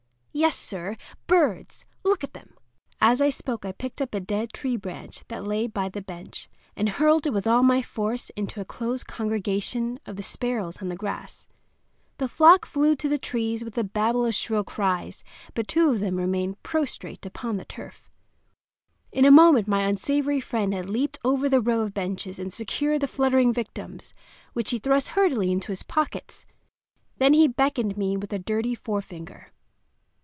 Yes, sir, birds! look at them!" As I spoke I picked up a dead tree branch that lay by the bench, and hurled it with all my force into a close congregation of the sparrows on the grass. The flock flew to the trees with a babel of shrill cries; but two of them remained prostrate upon the turf. In a moment my unsavory friend had leaped over the row of benches and secured the fluttering victims, which he thrust hurriedly into his pockets. Then he beckoned me with a dirty forefinger.